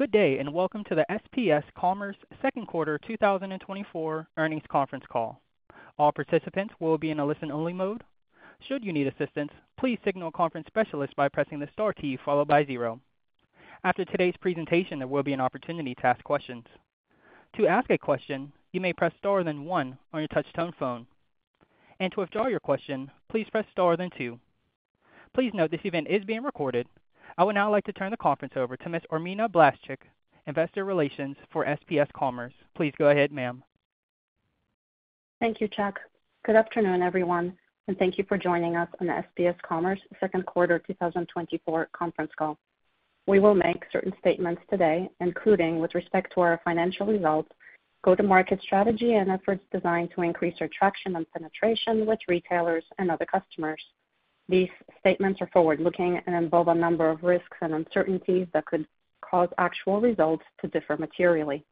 Good day and welcome to the SPS Commerce Second Quarter 2024 Earnings Conference call. All participants will be in a listen-only mode. Should you need assistance, please signal a conference specialist by pressing the star key followed by zero. After today's presentation, there will be an opportunity to ask questions. To ask a question, you may press star then one on your touch-tone phone. To withdraw your question, please press star then two. Please note this event is being recorded. I would now like to turn the conference over to Ms. Irmina Blaszczyk, Investor Relations for SPS Commerce. Please go ahead, ma'am. Thank you, Chad. Good afternoon, everyone, and thank you for joining us on the SPS Commerce Second Quarter 2024 Conference call. We will make certain statements today, including with respect to our financial results, go-to-market strategy, and efforts designed to increase our traction and penetration with retailers and other customers. These statements are forward-looking and involve a number of risks and uncertainties that could cause actual results to differ materially.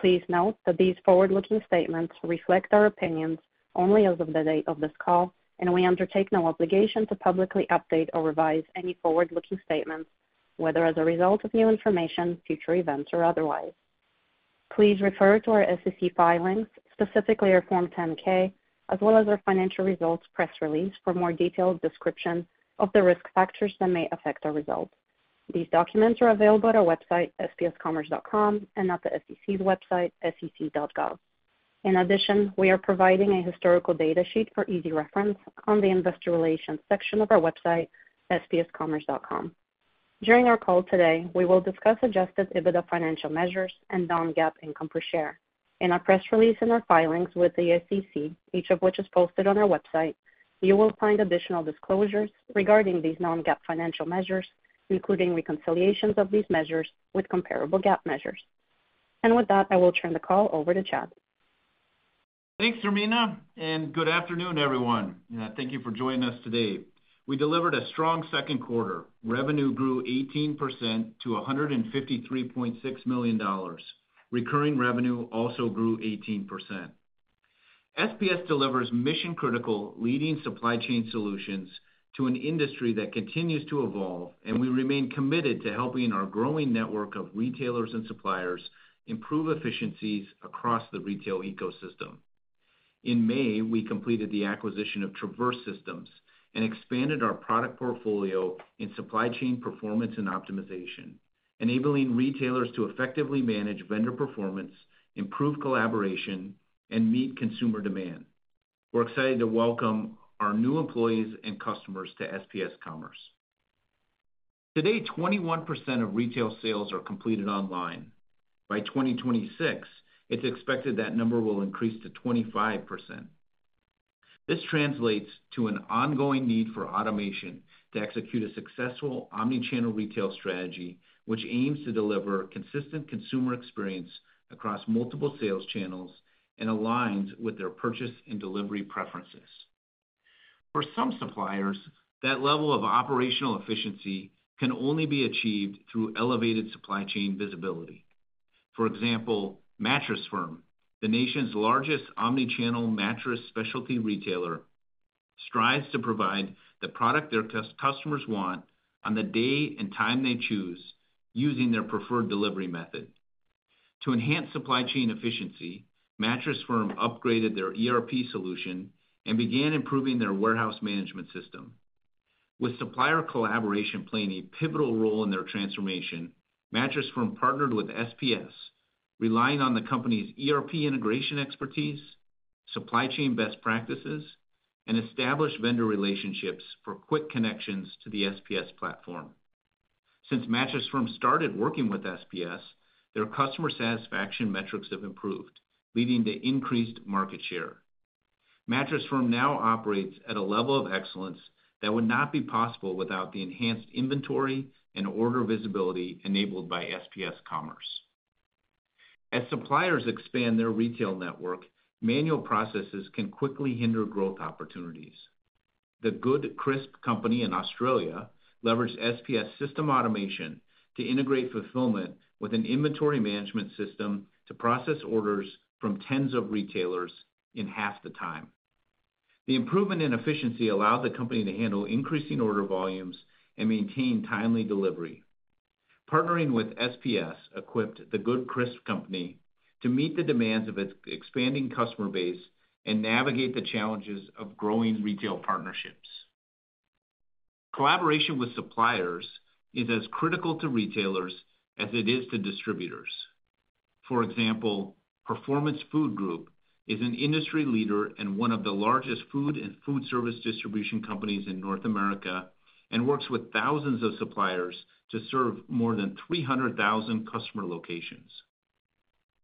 Please note that these forward-looking statements reflect our opinions only as of the date of this call, and we undertake no obligation to publicly update or revise any forward-looking statements, whether as a result of new information, future events, or otherwise. Please refer to our SEC filings, specifically our Form 10-K, as well as our financial results press release for a more detailed description of the risk factors that may affect our results. These documents are available at our website, spscommerce.com, and at the SEC's website, sec.gov. In addition, we are providing a historical data sheet for easy reference on the Investor Relations section of our website, spscommerce.com. During our call today, we will discuss Adjusted EBITDA financial measures and non-GAAP income per share. In our press release and our filings with the SEC, each of which is posted on our website, you will find additional disclosures regarding these non-GAAP financial measures, including reconciliations of these measures with comparable GAAP measures. With that, I will turn the call over to Chad. Thanks, Irmina, and good afternoon, everyone. Thank you for joining us today. We delivered a strong second quarter. Revenue grew 18% to $153.6 million. Recurring revenue also grew 18%. SPS delivers mission-critical, leading supply chain solutions to an industry that continues to evolve, and we remain committed to helping our growing network of retailers and suppliers improve efficiencies across the retail ecosystem. In May, we completed the acquisition of Traverse Systems and expanded our product portfolio in supply chain performance and optimization, enabling retailers to effectively manage vendor performance, improve collaboration, and meet consumer demand. We're excited to welcome our new employees and customers to SPS Commerce. Today, 21% of retail sales are completed online. By 2026, it's expected that number will increase to 25%. This translates to an ongoing need for automation to execute a successful omnichannel retail strategy, which aims to deliver a consistent consumer experience across multiple sales channels and aligns with their purchase and delivery preferences. For some suppliers, that level of operational efficiency can only be achieved through elevated supply chain visibility. For example, Mattress Firm, the nation's largest omnichannel mattress specialty retailer, strives to provide the product their customers want on the day and time they choose using their preferred delivery method. To enhance supply chain efficiency, Mattress Firm upgraded their ERP solution and began improving their warehouse management system. With supplier collaboration playing a pivotal role in their transformation, Mattress Firm partnered with SPS, relying on the company's ERP integration expertise, supply chain best practices, and established vendor relationships for quick connections to the SPS platform. Since Mattress Firm started working with SPS, their customer satisfaction metrics have improved, leading to increased market share. Mattress Firm now operates at a level of excellence that would not be possible without the enhanced inventory and order visibility enabled by SPS Commerce. As suppliers expand their retail network, manual processes can quickly hinder growth opportunities. The Good Crisp Company in Australia leveraged SPS system automation to integrate fulfillment with an inventory management system to process orders from tens of retailers in half the time. The improvement in efficiency allowed the company to handle increasing order volumes and maintain timely delivery. Partnering with SPS equipped the Good Crisp Company to meet the demands of its expanding customer base and navigate the challenges of growing retail partnerships. Collaboration with suppliers is as critical to retailers as it is to distributors. For example, Performance Food Group is an industry leader and one of the largest food and food service distribution companies in North America and works with thousands of suppliers to serve more than 300,000 customer locations.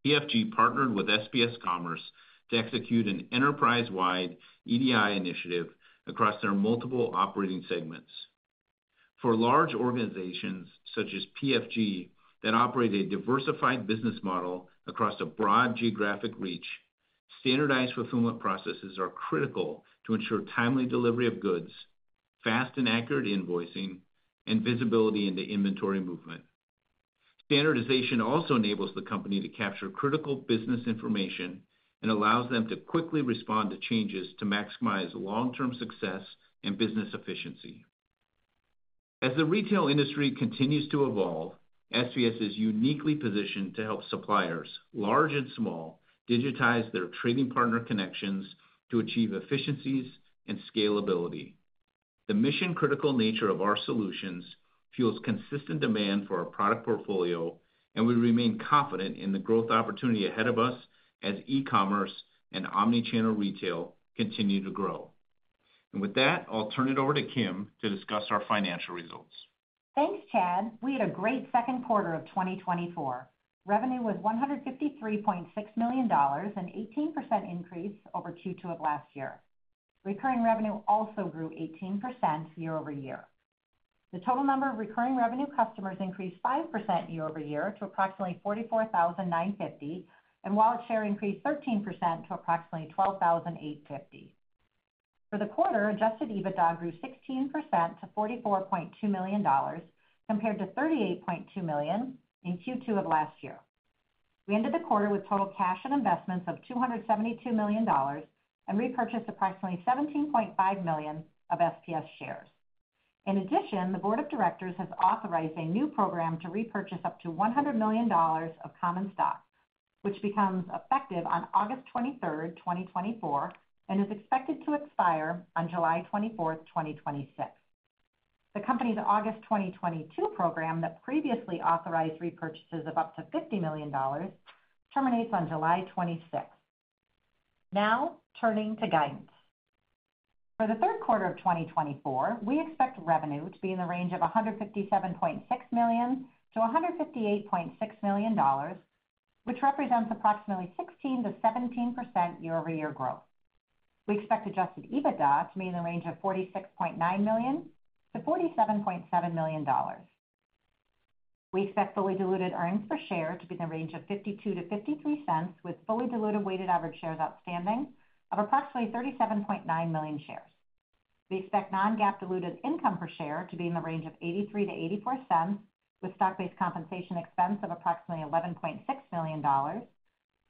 PFG partnered with SPS Commerce to execute an enterprise-wide EDI initiative across their multiple operating segments. For large organizations such as PFG that operate a diversified business model across a broad geographic reach, standardized fulfillment processes are critical to ensure timely delivery of goods, fast and accurate invoicing, and visibility into inventory movement. Standardization also enables the company to capture critical business information and allows them to quickly respond to changes to maximize long-term success and business efficiency. As the retail industry continues to evolve, SPS is uniquely positioned to help suppliers, large and small, digitize their trading partner connections to achieve efficiencies and scalability. The mission-critical nature of our solutions fuels consistent demand for our product portfolio, and we remain confident in the growth opportunity ahead of us as e-commerce and omnichannel retail continue to grow. With that, I'll turn it over to Kim to discuss our financial results. Thanks, Chad. We had a great second quarter of 2024. Revenue was $153.6 million, an 18% increase over Q2 of last year. Recurring revenue also grew 18% year-over-year. The total number of recurring revenue customers increased 5% year-over-year to approximately 44,950, and wallet share increased 13% to approximately $12,850. For the quarter, Adjusted EBITDA grew 16% to $44.2 million, compared to $38.2 million in Q2 of last year. We ended the quarter with total cash and investments of $272 million and repurchased approximately $17.5 million of SPS shares. In addition, the Board of Directors has authorized a new program to repurchase up to $100 million of common stock, which becomes effective on August 23, 2024, and is expected to expire on July 24, 2026. The company's August 2022 program that previously authorized repurchases of up to $50 million terminates on July 26. Now, turning to guidance. For the third quarter of 2024, we expect revenue to be in the range of $157.6 million-$158.6 million, which represents approximately 16%-17% year-over-year growth. We expect Adjusted EBITDA to be in the range of $46.9 million-$47.7 million. We expect fully diluted earnings per share to be in the range of $0.52-$0.53, with fully diluted weighted average shares outstanding of approximately 37.9 million shares. We expect non-GAAP diluted income per share to be in the range of $0.83-$0.84, with stock-based compensation expense of approximately $11.6 million,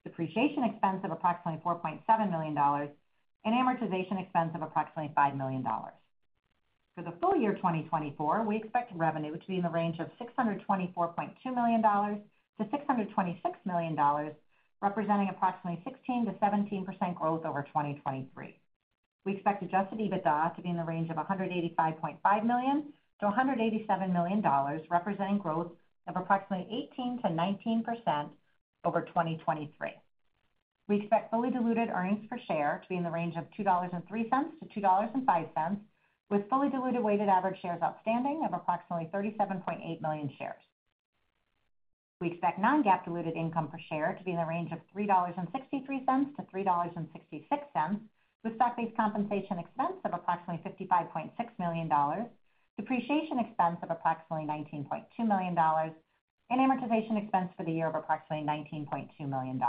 depreciation expense of approximately $4.7 million, and amortization expense of approximately $5 million. For the full year 2024, we expect revenue to be in the range of $624.2 million-$626 million, representing approximately 16%-17% growth over 2023. We expect Adjusted EBITDA to be in the range of $185.5 million-$187 million, representing growth of approximately 18%-19% over 2023. We expect fully diluted earnings per share to be in the range of $2.03-$2.05, with fully diluted weighted average shares outstanding of approximately 37.8 million shares. We expect non-GAAP diluted income per share to be in the range of $3.63-$3.66, with stock-based compensation expense of approximately $55.6 million, depreciation expense of approximately $19.2 million, and amortization expense for the year of approximately $19.2 million.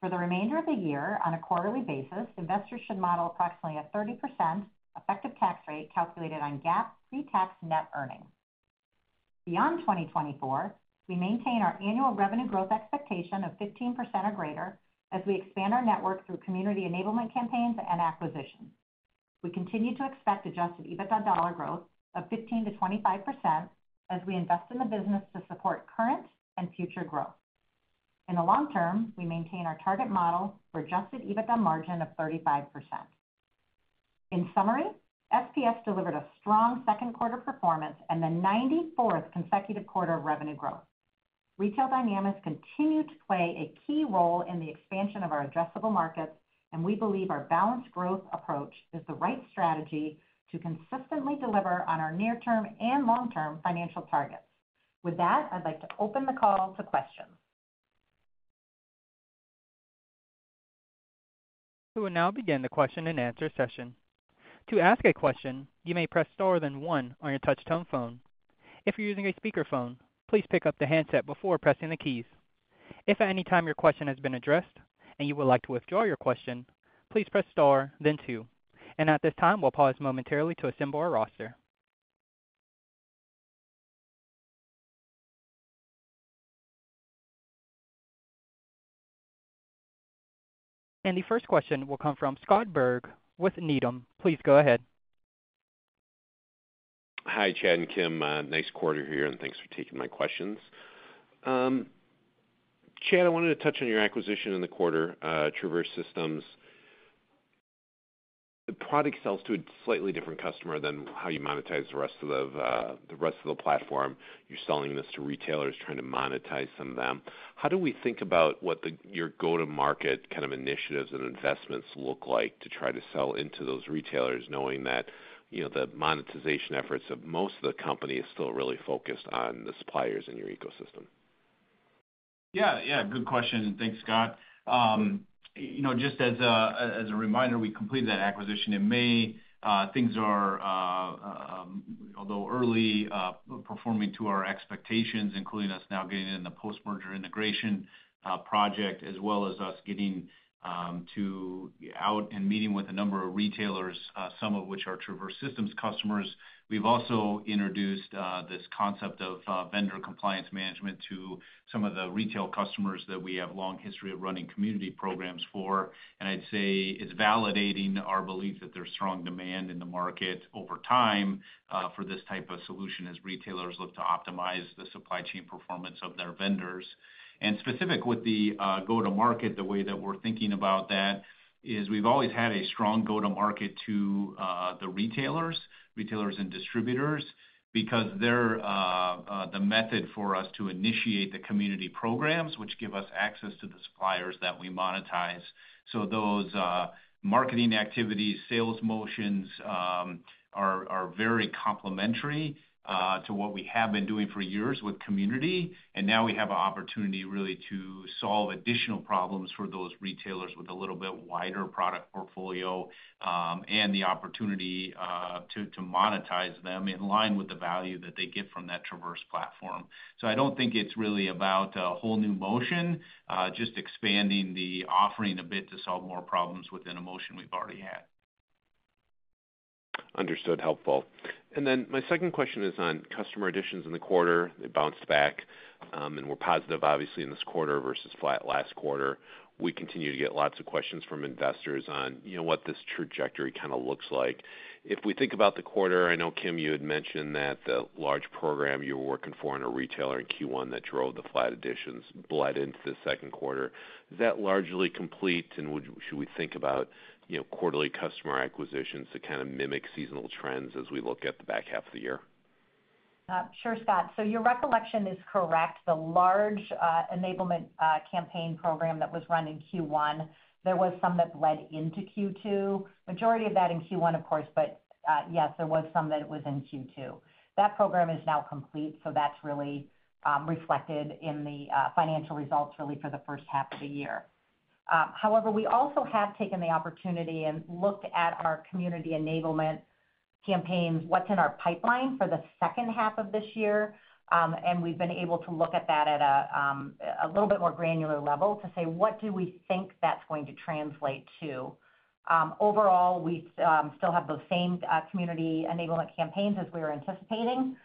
For the remainder of the year, on a quarterly basis, investors should model approximately a 30% effective tax rate calculated on GAAP pre-tax net earnings. Beyond 2024, we maintain our annual revenue growth expectation of 15% or greater as we expand our network through Community Enablement campaigns and acquisitions. We continue to expect Adjusted EBITDA growth of 15%-25% as we invest in the business to support current and future growth. In the long term, we maintain our target model for Adjusted EBITDA margin of 35%. In summary, SPS delivered a strong second quarter performance and the 94th consecutive quarter of revenue growth. Retail dynamics continue to play a key role in the expansion of our addressable markets, and we believe our balanced growth approach is the right strategy to consistently deliver on our near-term and long-term financial targets. With that, I'd like to open the call to questions. We will now begin the question and answer session. To ask a question, you may press star then one on your touch-tone phone. If you're using a speakerphone, please pick up the handset before pressing the keys. If at any time your question has been addressed and you would like to withdraw your question, please press star, then two. And at this time, we'll pause momentarily to assemble our roster. And the first question will come from Scott Berg with Needham. Please go ahead. Hi, Chad and Kim. Nice quarter here, and thanks for taking my questions. Chad, I wanted to touch on your acquisition in the quarter, Traverse Systems. The product sells to a slightly different customer than how you monetize the rest of the platform. You're selling this to retailers trying to monetize some of them. How do we think about what your go-to-market kind of initiatives and investments look like to try to sell into those retailers, knowing that the monetization efforts of most of the company are still really focused on the suppliers in your ecosystem? Yeah, yeah. Good question. Thanks, Scott. Just as a reminder, we completed that acquisition in May. Things are, although early, performing to our expectations, including us now getting in the post-merger integration project, as well as us getting out and meeting with a number of retailers, some of which are Traverse Systems customers. We've also introduced this concept of vendor compliance management to some of the retail customers that we have a long history of running community programs for. And I'd say it's validating our belief that there's strong demand in the market over time for this type of solution as retailers look to optimize the supply chain performance of their vendors. Specifically with the go-to-market, the way that we're thinking about that is we've always had a strong go-to-market to the retailers, retailers and distributors, because they're the method for us to initiate the community programs, which give us access to the suppliers that we monetize. So those marketing activities, sales motions are very complementary to what we have been doing for years with community. And now we have an opportunity really to solve additional problems for those retailers with a little bit wider product portfolio and the opportunity to monetize them in line with the value that they get from that Traverse platform. So I don't think it's really about a whole new motion, just expanding the offering a bit to solve more problems within a motion we've already had. Understood. Helpful. And then my second question is on customer additions in the quarter. They bounced back and were positive, obviously, in this quarter versus flat last quarter. We continue to get lots of questions from investors on what this trajectory kind of looks like. If we think about the quarter, I know, Kim, you had mentioned that the large program you were working for in a retailer in Q1 that drove the flat additions bled into the second quarter. Is that largely complete? And should we think about quarterly customer acquisitions to kind of mimic seasonal trends as we look at the back half of the year? Sure, Scott. So your recollection is correct. The large enablement campaign program that was run in Q1, there was some that bled into Q2. Majority of that in Q1, of course, but yes, there was some that was in Q2. That program is now complete, so that's really reflected in the financial results really for the first half of the year. However, we also have taken the opportunity and looked at our community enablement campaigns, what's in our pipeline for the second half of this year. And we've been able to look at that at a little bit more granular level to say, "What do we think that's going to translate to?" Overall, we still have those same community enablement campaigns as we were anticipating.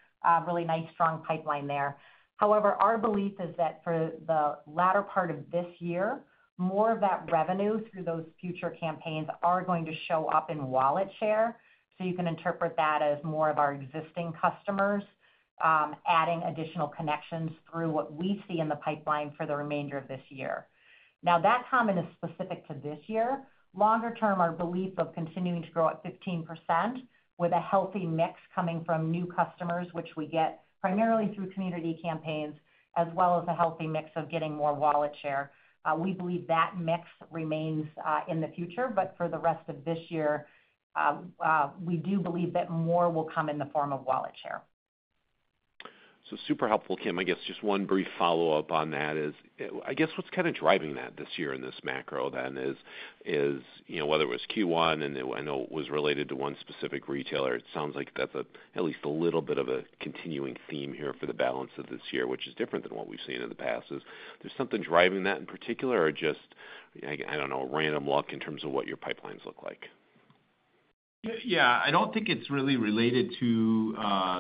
Really nice, strong pipeline there. However, our belief is that for the latter part of this year, more of that revenue through those future campaigns are going to show up in wallet share. So you can interpret that as more of our existing customers adding additional connections through what we see in the pipeline for the remainder of this year. Now, that comment is specific to this year. Longer term, our belief of continuing to grow at 15% with a healthy mix coming from new customers, which we get primarily through community campaigns, as well as a healthy mix of getting more wallet share. We believe that mix remains in the future, but for the rest of this year, we do believe that more will come in the form of wallet share. So super helpful, Kim. I guess just one brief follow-up on that is, I guess what's kind of driving that this year in this macro then is whether it was Q1, and I know it was related to one specific retailer. It sounds like that's at least a little bit of a continuing theme here for the balance of this year, which is different than what we've seen in the past. Is there something driving that in particular or just, I don't know, a random luck in terms of what your pipelines look like? Yeah. I don't think it's really related to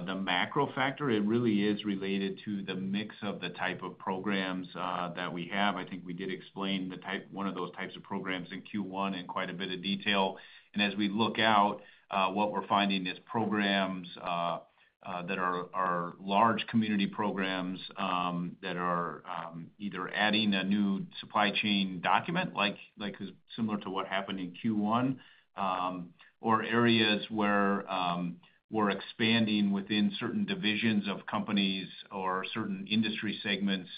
the macro factor. It really is related to the mix of the type of programs that we have. I think we did explain one of those types of programs in Q1 in quite a bit of detail. As we look out, what we're finding is programs that are large community programs that are either adding a new supply chain document, similar to what happened in Q1, or areas where we're expanding within certain divisions of companies or certain industry segments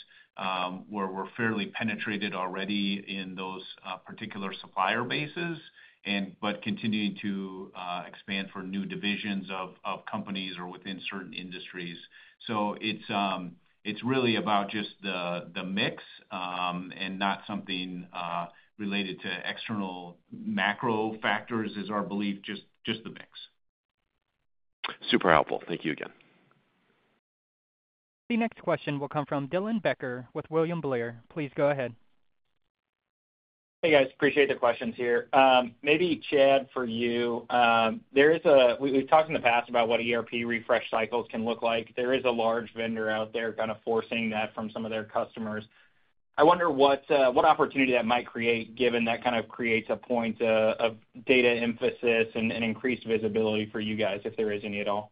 where we're fairly penetrated already in those particular supplier bases, but continuing to expand for new divisions of companies or within certain industries. So it's really about just the mix and not something related to external macro factors, is our belief, just the mix. Super helpful. Thank you again. The next question will come from Dylan Becker with William Blair. Please go ahead. Hey, guys. Appreciate the questions here. Maybe Chad, for you. We've talked in the past about what ERP refresh cycles can look like. There is a large vendor out there kind of forcing that from some of their customers. I wonder what opportunity that might create given that kind of creates a point of data emphasis and increased visibility for you guys, if there is any at all.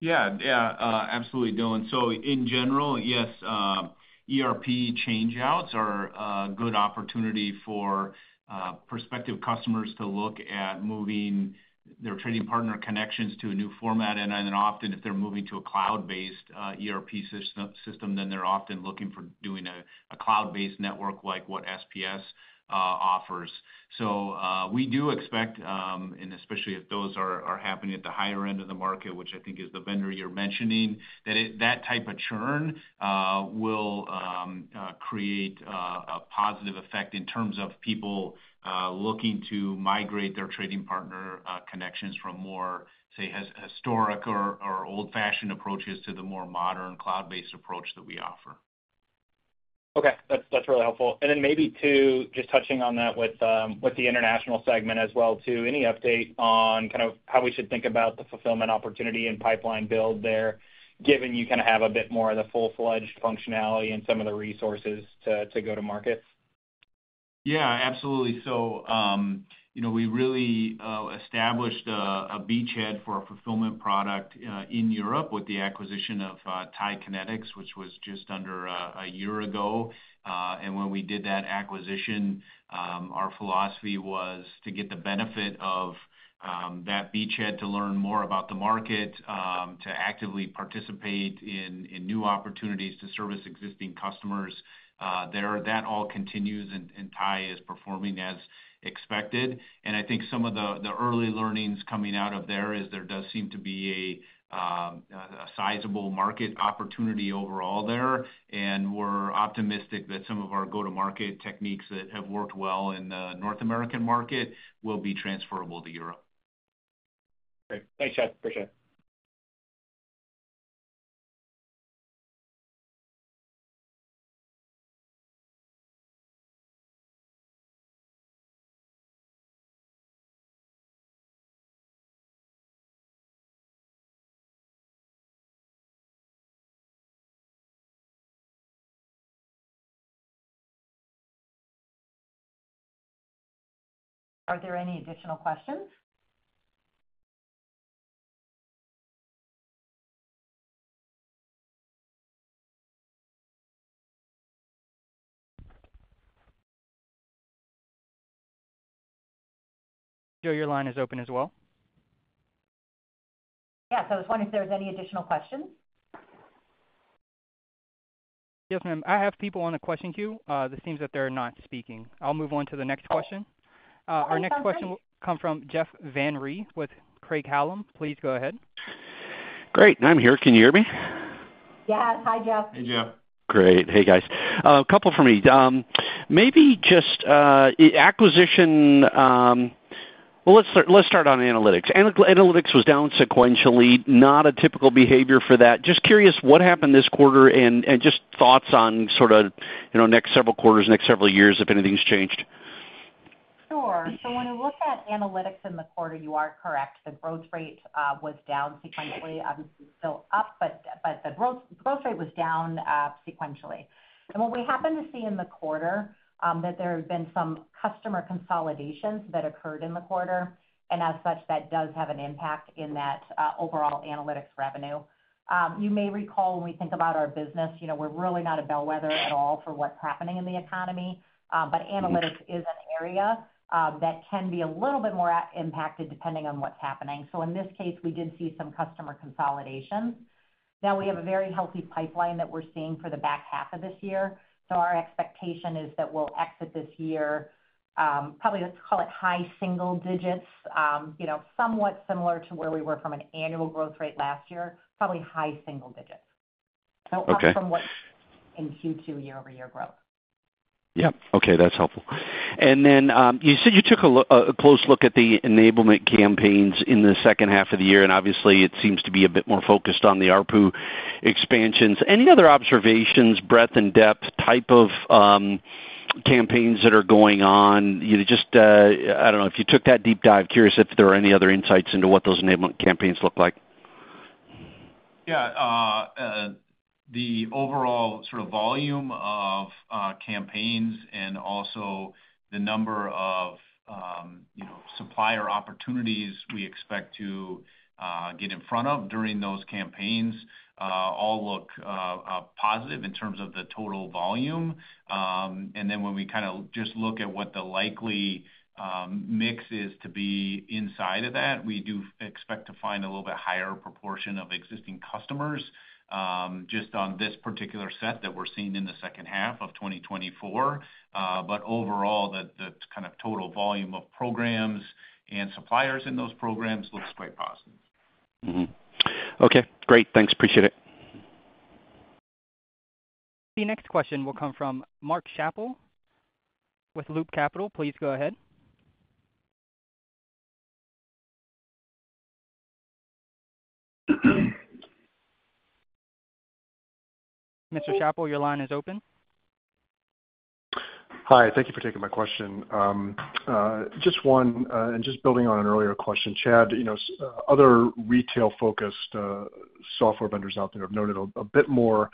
Yeah, yeah. Absolutely, Dylan. So in general, yes, ERP changeouts are a good opportunity for prospective customers to look at moving their trading partner connections to a new format. And then often, if they're moving to a cloud-based ERP system, then they're often looking for doing a cloud-based network like what SPS offers. So we do expect, and especially if those are happening at the higher end of the market, which I think is the vendor you're mentioning, that that type of churn will create a positive effect in terms of people looking to migrate their trading partner connections from more, say, historic or old-fashioned approaches to the more modern cloud-based approach that we offer. Okay. That's really helpful. And then maybe too, just touching on that with the international segment as well, too, any update on kind of how we should think about the fulfillment opportunity and pipeline build there, given you kind of have a bit more of the full-fledged functionality and some of the resources to go-to-market? Yeah, absolutely. So we really established a beachhead for a fulfillment product in Europe with the acquisition of TIE Kinetix, which was just under a year ago. And when we did that acquisition, our philosophy was to get the benefit of that beachhead to learn more about the market, to actively participate in new opportunities to service existing customers. That all continues, and TIE Kinetix is performing as expected. And I think some of the early learnings coming out of there is there does seem to be a sizable market opportunity overall there. And we're optimistic that some of our go-to-market techniques that have worked well in the North American market will be transferable to Europe. Okay. Thanks, Chad. Appreciate it. Are there any additional questions? Joe, your line is open as well. Yes. I was wondering if there were any additional questions? Yes, ma'am. I have people on the question queue. This seems that they're not speaking. I'll move on to next question. Our next question will come from Jeff Van Rhee with Craig-Hallum. Please go ahead. Great. I'm here. Can you hear me? Yes. Hi, Jeff. Hey, Jeff. Great. Hey, guys. A couple for me. Maybe just acquisition. Well, let's start on analytics. Analytics was down sequentially. Not a typical behavior for that. Just curious, what happened this quarter? And just thoughts on sort of next several quarters, next several years, if anything's changed. Sure. So when you look at analytics in the quarter, you are correct. The growth rate was down sequentially. Obviously, it's still up, but the growth rate was down sequentially. And what we happened to see in the quarter is that there have been some customer consolidations that occurred in the quarter. And as such, that does have an impact in that overall analytics revenue. You may recall when we think about our business, we're really not a bellwether at all for what's happening in the economy. But analytics is an area that can be a little bit more impacted depending on what's happening. So in this case, we did see some customer consolidations. Now, we have a very healthy pipeline that we're seeing for the back half of this year. So our expectation is that we'll exit this year probably, let's call it high single digits, somewhat similar to where we were from an annual growth rate last year, probably high single digits. So up from what in Q2 year-over-year growth. Yep. Okay. That's helpful. And then you said you took a close look at the enablement campaigns in the second half of the year. And obviously, it seems to be a bit more focused on the ARPU expansions. Any other observations, breadth and depth type of campaigns that are going on? Just, I don't know, if you took that deep dive, curious if there are any other insights into what those enablement campaigns look like? Yeah. The overall sort of volume of campaigns and also the number of supplier opportunities we expect to get in front of during those campaigns all look positive in terms of the total volume. And then when we kind of just look at what the likely mix is to be inside of that, we do expect to find a little bit higher proportion of existing customers just on this particular set that we're seeing in the second half of 2024. But overall, the kind of total volume of programs and suppliers in those programs looks quite positive. Okay. Great. Thanks. Appreciate it. The next question will come from Mark Schappel with Loop Capital. Please go ahead. Mr. Schappel, your line is open. Hi. Thank you for taking my question. Just one and just building on an earlier question, Chad. Other retail-focused software vendors out there have noted a bit more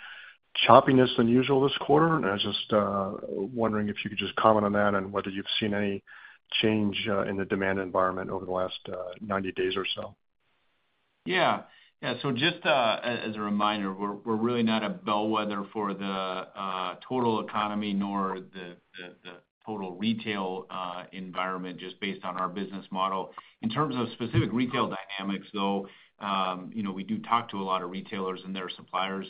choppiness than usual this quarter. I was just wondering if you could just comment on that and whether you've seen any change in the demand environment over the last 90 days or so? Yeah. Yeah. So just as a reminder, we're really not a bellwether for the total economy nor the total retail environment just based on our business model. In terms of specific retail dynamics, though, we do talk to a lot of retailers and their suppliers.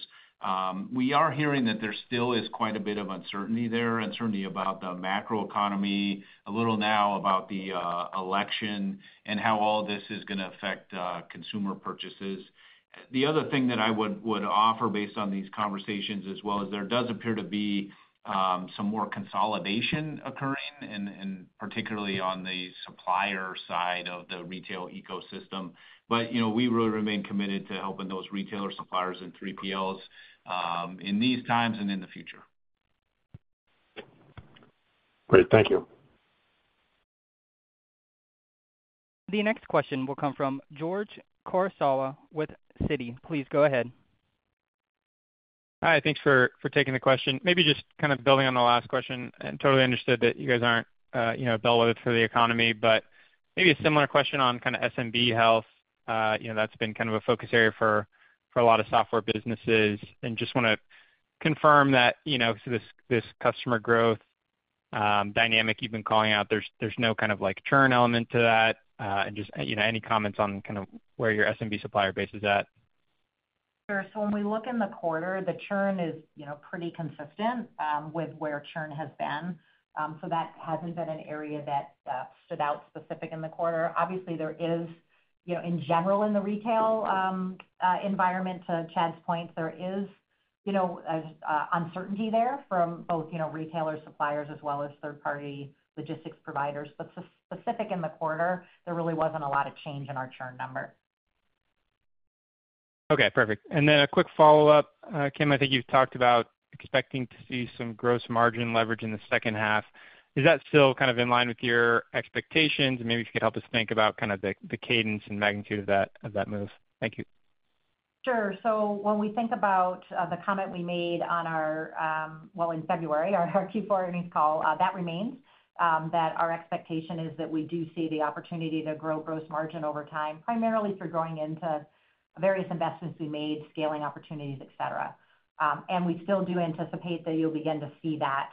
We are hearing that there still is quite a bit of uncertainty there, uncertainty about the macro economy, a little now about the election and how all this is going to affect consumer purchases. The other thing that I would offer based on these conversations as well is there does appear to be some more consolidation occurring, particularly on the supplier side of the retail ecosystem. But we really remain committed to helping those retailers, suppliers, and 3PLs in these times and in the future. Great. Thank you. The next question will come from George Kurosawa with Citi. Please go ahead. Hi. Thanks for taking the question. Maybe just kind of building on the last question. I totally understood that you guys aren't a bellwether for the economy, but maybe a similar question on kind of SMB health. That's been kind of a focus area for a lot of software businesses. Just want to confirm that this customer growth dynamic you've been calling out, there's no kind of churn element to that. Just any comments on kind of where your SMB supplier base is at. Sure. So when we look in the quarter, the churn is pretty consistent with where churn has been. So that hasn't been an area that stood out specific in the quarter. Obviously, there is, in general, in the retail environment, to Chad's point, there is uncertainty there from both retailers, suppliers, as well as third-party logistics providers. But specific in the quarter, there really wasn't a lot of change in our churn number. Okay. Perfect. And then a quick follow-up, Kim, I think you've talked about expecting to see some gross margin leverage in the second half. Is that still kind of in line with your expectations? And maybe if you could help us think about kind of the cadence and magnitude of that move. Thank you. Sure. So when we think about the comment we made on our, well, in February, our Q4 earnings call, that remains that our expectation is that we do see the opportunity to grow gross margin over time, primarily through going into various investments we made, scaling opportunities, etc. And we still do anticipate that you'll begin to see that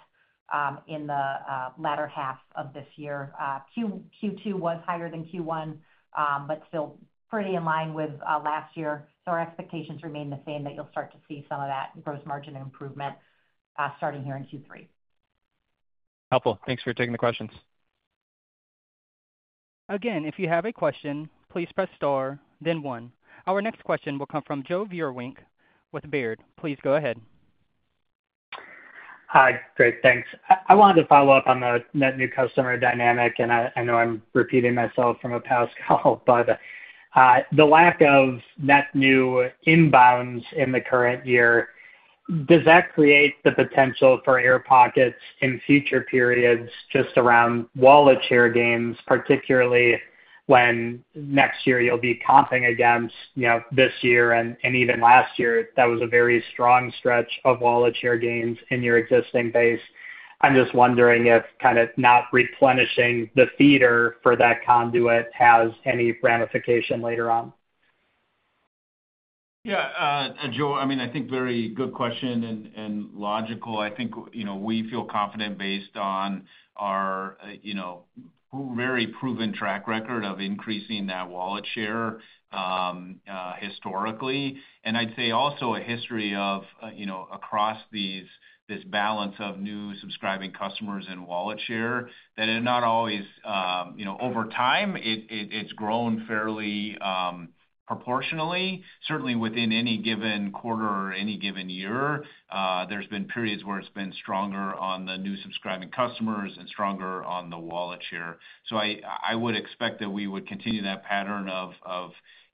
in the latter half of this year. Q2 was higher than Q1, but still pretty in line with last year. So our expectations remain the same that you'll start to see some of that gross margin improvement starting here in Q3. Helpful. Thanks for taking the questions. Again, if you have a question, please press star, then one. Our next question will come from Joe Vruwink with Baird. Please go ahead. Hi. Great. Thanks. I wanted to follow up on the net new customer dynamic. And I know I'm repeating myself from a past call, but the lack of net new inbounds in the current year, does that create the potential for air pockets in future periods just around wallet share gains, particularly when next year you'll be comping against this year? And even last year, that was a very strong stretch of wallet share gains in your existing base. I'm just wondering if kind of not replenishing the feeder for that conduit has any ramification later on. Yeah. Joe, I mean, I think very good question and logical. I think we feel confident based on our very proven track record of increasing that wallet share historically. And I'd say also a history of across this balance of new subscribing customers and wallet share that it not always over time, it's grown fairly proportionally. Certainly, within any given quarter or any given year, there's been periods where it's been stronger on the new subscribing customers and stronger on the wallet share. So I would expect that we would continue that pattern of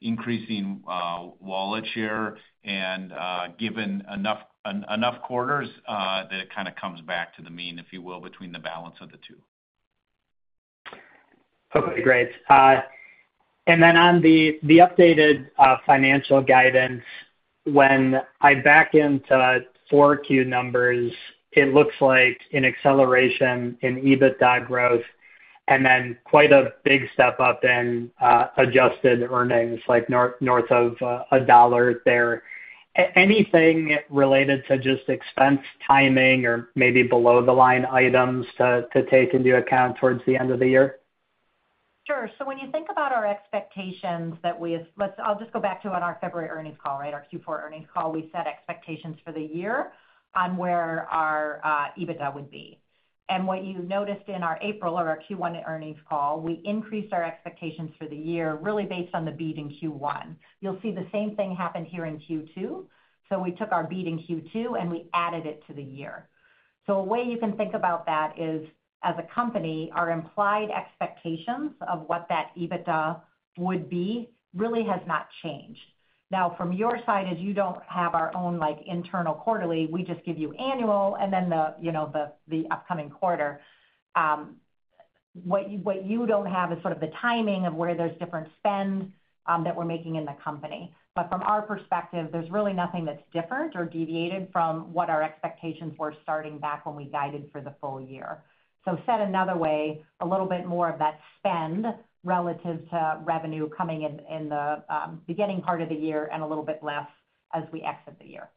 increasing wallet share. And given enough quarters, that it kind of comes back to the mean, if you will, between the balance of the two. Okay. Great. And then on the updated financial guidance, when I back into 4Q numbers, it looks like an acceleration in EBITDA growth and then quite a big step up in adjusted earnings like north of $1 there. Anything related to just expense timing or maybe below-the-line items to take into account towards the end of the year? Sure. So when you think about our expectations that we, I'll just go back to our February earnings call, right, our Q4 earnings call. We set expectations for the year on where our EBITDA would be. And what you noticed in our April or our Q1 earnings call, we increased our expectations for the year really based on the beat in Q1. You'll see the same thing happened here in Q2. So we took our beat in Q2 and we added it to the year. So a way you can think about that is, as a company, our implied expectations of what that EBITDA would be really has not changed. Now, from your side, as you don't have our own internal quarterly, we just give you annual, and then the upcoming quarter. What you don't have is sort of the timing of where there's different spend that we're making in the company. But from our perspective, there's really nothing that's different or deviated from what our expectations were starting back when we guided for the full year. So said another way, a little bit more of that spend relative to revenue coming in the beginning part of the year and a little bit less as we exit the year.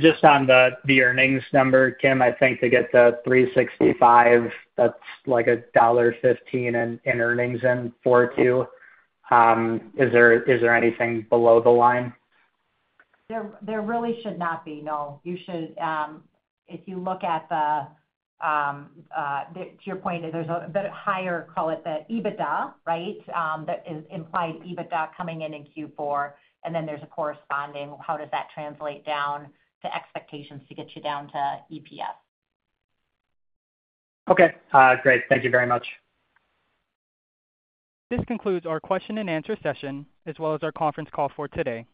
Just on the earnings number, Kim, I think to get the 365, that's like $1.15 in earnings in Q4. Is there anything below the line? There really should not be. No. If you look at the—to your point, there's a bit higher, call it the EBITDA, right, that implied EBITDA coming in in Q4. And then there's a corresponding—how does that translate down to expectations to get you down to EPS? Okay. Great. Thank you very much. This concludes our question and answer session as well as our conference call for today.